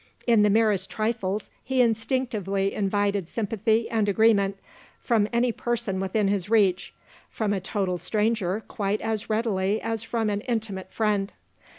In the merest trifles, he instinctively invited sympathy and agreement from any person within his reach from a total stranger quite as readily as from an intimate friend.